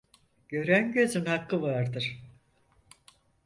Gören gözün hakkı vardır.